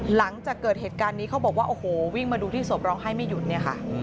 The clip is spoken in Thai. หลังจากเกิดเหตุการณ์นี้เขาบอกว่าโอ้โหวิ่งมาดูที่ศพร้องไห้ไม่หยุดเนี่ยค่ะ